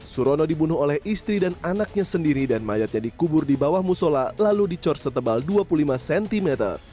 surono dibunuh oleh istri dan anaknya sendiri dan mayatnya dikubur di bawah musola lalu dicor setebal dua puluh lima cm